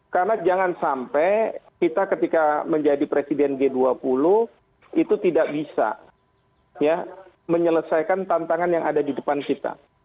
karena jangan sampai kita ketika menjadi presiden g dua puluh itu tidak bisa menyelesaikan tantangan yang ada di depan kita